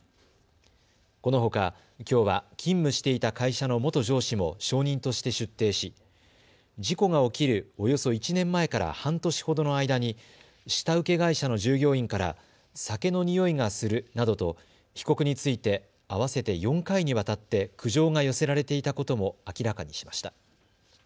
このほか、きょうは勤務していた会社の元上司も証人として出廷し事故が起きるおよそ１年前から半年ほどの間に下請け会社の従業員から酒のにおいがするなどと被告について合わせて４回にわたって苦情が寄せられていたことも明らかにしました。